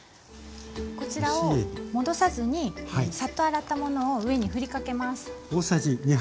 こちらを戻さずにサッと洗ったものを上に振りかけます。